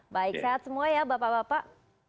baik sehat semua ya bapak bapak